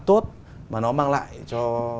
tốt mà nó mang lại cho